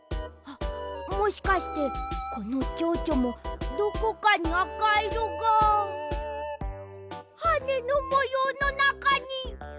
あっもしかしてこのちょうちょもどこかにあかいろがはねのもようのなかに。